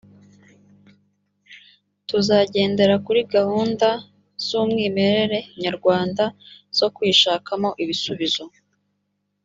tuzagendera kuri gahunda z ‘umwimerere nyarwanda zo kwishakamo ibisubizo